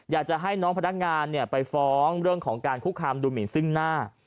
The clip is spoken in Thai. อยากจะให้น้องพนักงานไปฟ้องเรื่องของการคุกคามดูหมินซึ่งหน้า